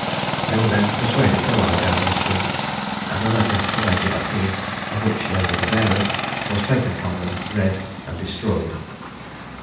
They were then persuaded to lie down and sleep, and a letter to Major Battine, of which they were the bearers, was taken from them, read, and destroyed.